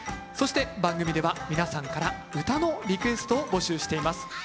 そして番組では皆さんから唄のリクエストを募集しています。